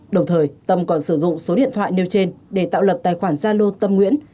đồng thời tâm còn sử dụng số điện thoại nêu trên để tạo lập tài khoản gia lô tâm nguyễn